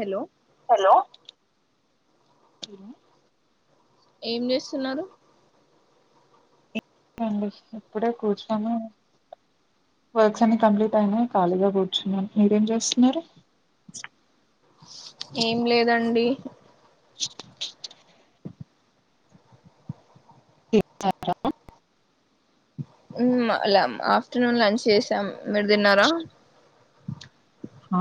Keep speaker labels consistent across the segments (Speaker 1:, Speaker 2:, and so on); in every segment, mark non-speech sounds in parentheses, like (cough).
Speaker 1: Hello
Speaker 2: hello అ
Speaker 1: ఏం చేస్తున్నారు
Speaker 2: ండి ఇప్పుడే కూర్చున్నాను వర్క్స్ అన్ని కంప్లీట్ అయినయ్ ఖాళీగా కూర్చునన్నాం మీరేం చేస్తున్నారు.
Speaker 1: ఏం లేదండి
Speaker 2: (unintelligible)
Speaker 1: హుమ్ ఆఫ్టర్నూన్ లంచ్ చేసాం మీరు తిన్నారా
Speaker 2: ఆ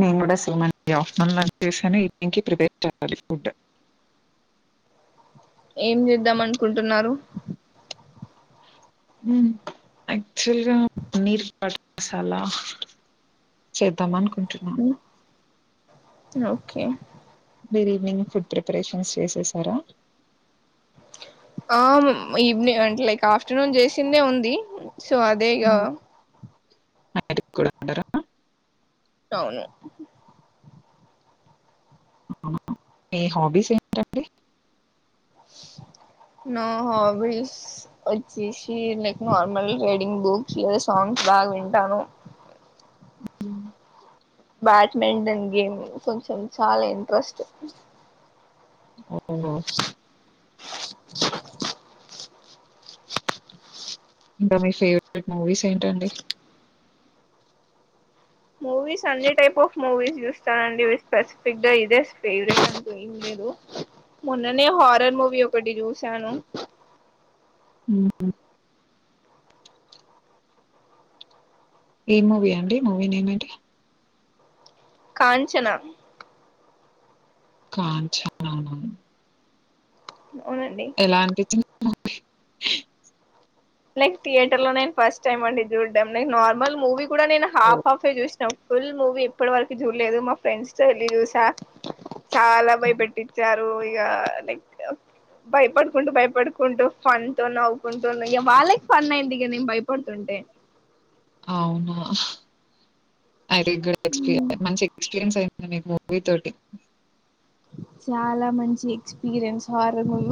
Speaker 2: నేను కూడా సేమ్ అండి ఆఫ్టర్నూన్ లంచ్ చేశాను ఈవినింగ్ కి ప్రిపేర్ చేయాలి ఫుడ్
Speaker 1: ఏం చేద్దాం అనుకుంటున్నారు
Speaker 2: యాక్చ్యువల్ గా పనీర్ బట్టర్ మసాలా చేద్దాం అను
Speaker 1: ఉ ఓకే
Speaker 2: మీరు ఈవినింగ్ ఫుడ్ ప్రిపరేషన్స్ చేసేసారా
Speaker 1: ఆ మ్ ఈవెని అంటే లైక్ ఆఫ్టర్నూన్ చేసిందే ఉంది సో అదే ఇగా
Speaker 2: (unintelligible) కూడా (unintelligible)
Speaker 1: అవును
Speaker 2: మీ హాబీస్ ఏంటండి
Speaker 1: నా హాబీస్ వచ్చేసి లైక్ నార్మల్ రీడింగ్ బుక్స్ లేదా సాంగ్స్ బాగా వింటాను
Speaker 2: మ్
Speaker 1: బ్యాడ్మింటన్ గేమ్ కొంచెం చాలా ఇంట్రెస్ట్
Speaker 2: అ ఓహో ఇంకా మీ ఫేవరెట్ మూవీస్ ఏంటండి
Speaker 1: మూవీస్ అన్ని టైప్ ఆఫ్ మూవీస్ చూస్తానండి వి స్పెసిఫిక్ ఇదే ఫేవరెట్ అంటు ఏం లేదు మొన్ననే హారర్ మూవీ ఒకటి చూసాను
Speaker 2: ఉ ఏ మూవీ అండి మూవీ నేమ్ ఏంటి
Speaker 1: కాంచనా
Speaker 2: కాంచనా అవునువును
Speaker 1: అవునండి
Speaker 2: ఎలాంటిది ఓకే
Speaker 1: లైక్ థియేటర్ లోనే ఫస్ట్ టైమ్ అండి చూడ్డం నేను నార్మల్ మూవీ కూడా నేను హఫ్
Speaker 2: ఓకే.
Speaker 1: హఫ్ ఎ చూస్ ఫుల్ మూవీ ఇప్పటి వరకు చూడలేదు మా ఫ్రెండ్స్ తో వెళ్లి చూసా చాలా భయపెట్టిచ్చారు ఇగా లైక్ భయపడుకుంటూ భయపడుకుంటూ ఫన్ తో నవ్వుకుంటూ ఇక వాళ్ళకి ఫన్ అయ్యింది ఇగా నేను భయపడుతుంటే
Speaker 2: అవునా అరె గుడ్ ఎక్స్ మంచి ఎక్స్పీరియన్స్ అయింది మీకు మూవీ తోటి
Speaker 1: చాలా మంచి ఎక్స్పీరియన్స్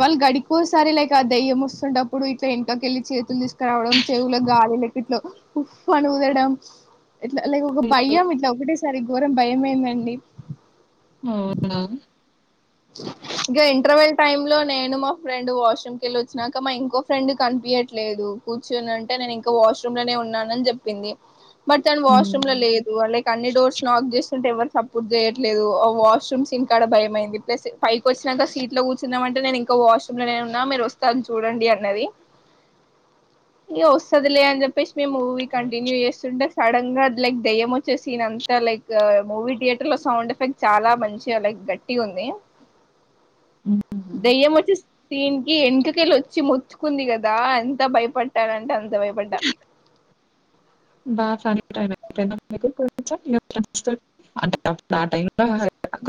Speaker 1: వాళ్ళు గడికోసారి లైక్ ఆ దయ్యం వస్తుంటప్పుడు ఇట్లా వెనకకెళ్ళి చేతులు తీసుకురావడం చెవుల గాలి లెక్క ఇట్లా ఉఫ్ ఉని ఉదడం ఇట్లా లైక్ ఒక భయం ఇట్లా ఒకటేసారి ఘోరం భయం అయ్యిందిదండి
Speaker 2: అవునా
Speaker 1: ఇంకా ఇంటర్వెల్ టైమ్ లో నేను మా ఫ్రెండ్ వాష్రూమ్ కి వెళ్లి వచ్చినాక మా ఇంకో ఫ్రెండ్ కనిపియట్లేదు కూర్చునింటే నేను ఇంకో వాష్రూమ్ లోనే ఉన్నానని చెప్పింది బట్ తను వాష్రూమ్ లో
Speaker 2: హ్మ్.
Speaker 1: లేదు లైక్ అన్ని డోర్స్ లాక్ చేస్తుంటే ఎవరు సపోర్ట్ చేయట్లేదు వాష్రూమ్ సీన్ కాడ భయం అయ్యింది ప్లస్ పైకి వచ్చినాక సీట్ లో కూర్చుందాం అంటే నేను ఇంకా వాష్రూమ్ లో ఉన్నా నేను వస్తాను చూడండి అన్నది ఇ వస్తదిలే అని చెప్పేసి మే మూవీ కంటిన్యూ చేస్తుండే సడన్ గా లైక్ దయ్యం వచ్చే సీన్ అంతా లైక్ మూవీ థియేటర్ లో సౌండ్ ఎఫెక్ట్ చాలా మంచిగా లైక్ గట్టి ఉంది
Speaker 2: హుహు.
Speaker 1: దయ్య మచ్చ దీనికి ఎంటక వెళ్ళి వచ్చి మొత్చ్చుకుంది కదా ఎంత భయపట్టాలంటే అ భయపడ్డా
Speaker 2: అంట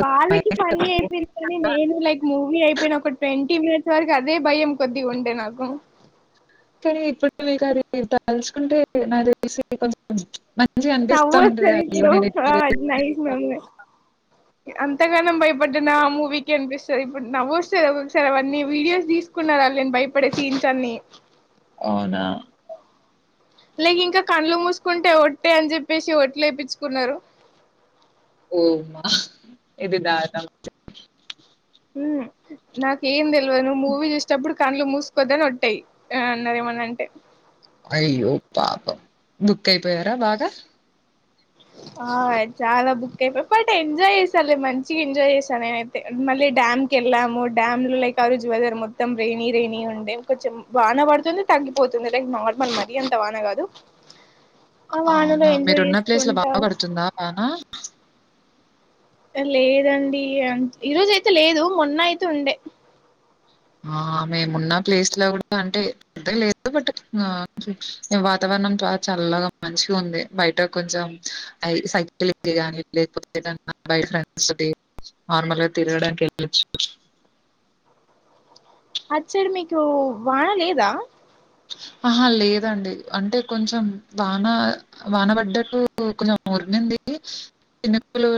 Speaker 1: బళ్ళకి ఫని అయిపోంది కాని
Speaker 2: కొత్తగా
Speaker 1: నేను లైక్ మూ అ అయిపోయిన ఒక ట్వంటీ మినిట్స్ వరకు అదే భయం కొద్దిగా ఉండే నాకు
Speaker 2: కానీ ఇప్పుడు మీకు అది తెలుసుకుంటే మసి కొంచ
Speaker 1: నవో సర ఇడు చ అజ నా
Speaker 2: చేశాను.
Speaker 1: మ అంతగానం భయపడ్ నా మూవీ క అనిపిస్తుంది ఇప్పుడు నవ్వు వస్తుంది ఒకొసారి అవన్నీ వీడియోస్ తీసుకున్నార నేను భయపడే సీన్స్ అన్ని
Speaker 2: అవునా
Speaker 1: లేక ఇంకా కళ్డ్ళు మూసుకుంటే ఒట్టే అని చెప్పేసి ఒట్లే వయిచ్చుకున్నారు
Speaker 2: ఓమా ఇదిదా
Speaker 1: నాకు ఏం తెలియదు నువ్వు మూవీ చూసేటప్పుడు కళ్లు మూసుకోద్దని వోట్టాయి అన్నారు ఏమన్నా అంటే
Speaker 2: అయ్యో పాపం బుక్ అయిపోయారా బాగా
Speaker 1: ఆ చాలా బుక్ అయిపోయి బట్ ఎంజాయ్ చేసాల మంచిగా ఎంజాయ్ చేసాను నేనైతే మళ్ళీ డ్యామ్కి వెళ్ళాము డ్యామ్ లో లైక్ ఆ రోజు వెదర్ మొత్తం రెనీ రెనీ ఉండే కొంచెం బాగా పడుతుంది తగ్గిపోతుంది లైక్ నార్మల్ మరీ అంత బాగా కాదు ఆ వానలో ఎంజోయ్ చేసి
Speaker 2: సు లో బాగా పడుతుందా అనా
Speaker 1: లేదండి ఈరోజ అయితే లేదు మొన్న అయితే ఉండే
Speaker 2: ఆ మేమున్న ప్లేస్ లో కూడా అంటే లేదు బట్ వాతావరణం చ చల్ాలాగా మంచిగా ఉంది బయట కొంచెం సైకిల్ ని లేకపోతే బయట ఫ్రెండ్ నార్మల్గా తిరగడానికి వెళ్ళచ్చు
Speaker 1: అచ్చడు మీకు వానా లేదా
Speaker 2: ఆహా లేదండి అంటే కొంచెం వాన వాన పడ్డట్టు కొంచెం మురిగింది చిన్నలు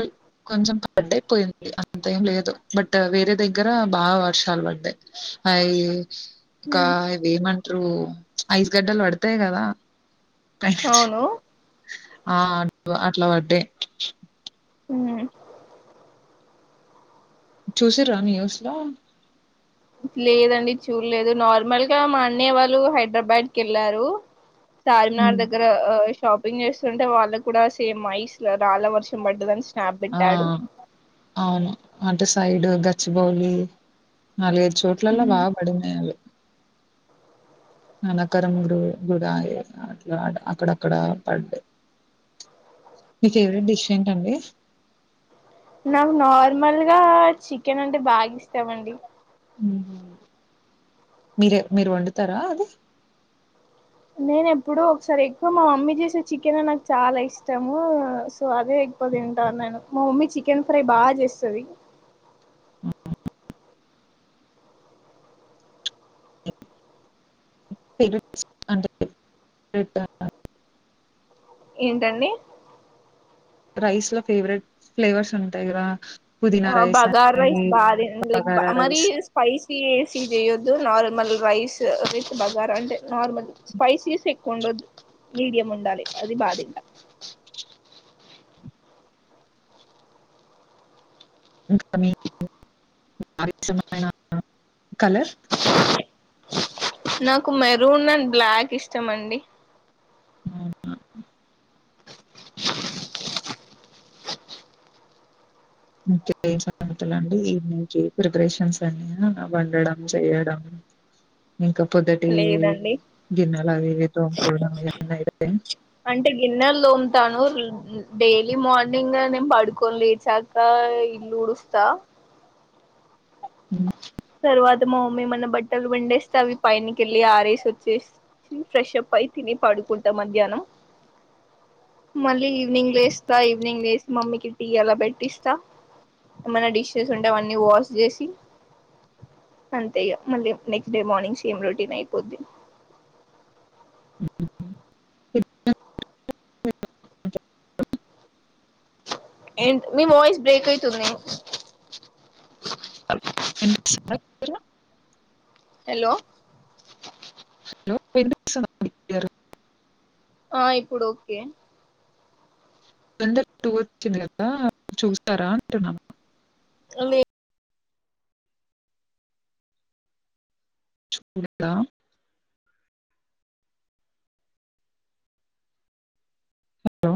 Speaker 2: కొంచెం పడ్డయిపోయింది అంత ఏం లేదు బట్ వేరే దగ్గర బాగా వర్షాలు పడ్డాయి అవి కా
Speaker 1: హ్మ్.
Speaker 2: వేమ అ ఐస్ గడ్డలు పడతాయి కదా పైనుంచి
Speaker 1: అవును
Speaker 2: ఆ అ అట్లా పే
Speaker 1: హ
Speaker 2: చూసిరా న్యూస్లో
Speaker 1: లేదండి చూడలేదు నార్మల్గా మా అన్నయ వాళ్ళు హైదరాబాద్ క వెళ్ళారు చార్మినార్
Speaker 2: హ్మ్.
Speaker 1: దగ్గర షాపింగ్ చేస్తుంటే వాళ్ళకి కూడా సేమ్ మఐస్ రళ్ాల వర్షం పడ్దని
Speaker 2: ఆ అవును అంటే సైడ్ గచ్చబౌలీ నాలుగైదు చోట్లలా
Speaker 1: ఉమ్.
Speaker 2: బాగా పడినాయిళ్ళు మీ ఫేవరెట్ డిష్ ఏంటండి.
Speaker 1: నాకు నార్మల్గా చికెన్ అంటే బాగా ఇష్టమండి
Speaker 2: మ్ హూ మీరు మీరు వండుతారా అది
Speaker 1: నేను ఎప్పుడో ఒకసారి ఎక్కువ మా మమ్మీ చేసే చికెనే నాకు చాలా ఇష్టము, సో అదే ఎక్కువ తింటాన్ నేను. మా మమ్మీ చికెన్ ఫ్రై బాగా చేస్తది.
Speaker 2: ఆ (inaudible) అంటే (inaudible)
Speaker 1: ఏంటండి
Speaker 2: రైస్ లో ఫేవరెట్ ఫ్లేవర్స్ ఉంటాయి గా
Speaker 1: బగార్ రైస్ బాగ
Speaker 2: బగారా
Speaker 1: మరీ
Speaker 2: రైస్
Speaker 1: స్పైసి సీజెయొద్దు నార్మల్ రైస్ రైస్ బగారా అంటే, నార్మల్ స్పైసీస్ ఎక్కువ ఉండొద్దు, మీడియం ఉండాలి అది బాధింట.
Speaker 2: ఇంకా మీ (inaudible) కలర్
Speaker 1: నాకు మెరూన్ అండ్ బ్లాక్ ఇష్టం అండి
Speaker 2: మ్ ఇంకేంటి సంగతులు అండి ఈవినింగ్కి ప్రిపరేషన్స్ అయిన్నయా వండడం చెయడం ఇంకా పొద్దుటి
Speaker 1: లేదండి
Speaker 2: గిన్నెలు అవి ఇవి తోముకోవడం ఇగ అన్నీ అయిపోయినయా
Speaker 1: అంటే గిన్నెలు తోముతాను డైలీ మార్నింగ్ నేను పడుకోని లేచాక ఇల్లు ఉడుస్తా
Speaker 2: మ్
Speaker 1: తర్వాత మా మమ్మీ ఏమన్నా బట్టలు పిండేస్తే అవి పైన కెళ్ళి ఆరేసి వచ్చి ఫ్రెషప్ అయి తిని పడుకుంటా మధ్యాహ్నం. మళ్ళీ ఈవినింగ్ లేస్తా ఈవినింగ్ లేసి మమ్మీకి టీ అలా పెట్టిస్తా ఏమన్నా డిషెస్ ఉంటే అవన్నీ వాష్ చేసి. అంతే ఇగ మళ్ళీ next day morning same routine అయిపోద్ది.
Speaker 2: (inaudible)
Speaker 1: ఎంట్ మీ వాయిస్ బ్రే బ్రేక్ అయితుంది.
Speaker 2: వినిపిస్తుందా క్లియర్‌గా?
Speaker 1: హలో
Speaker 2: హలో వినిపిస్తోందా అండి క్లియర్ గా
Speaker 1: ఆ ఇప్పుడు ఓకే
Speaker 2: అఖండ టూ వచ్చింది కదా చూసారా అంటున్నా
Speaker 1: లే
Speaker 2: చూడలేదా